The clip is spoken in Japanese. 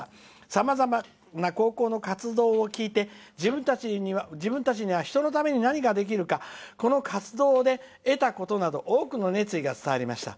さまざまな高校の活動を聞いて自分たちには人のために何ができるかこの活動で得たことなど多くの熱意が伝わりました。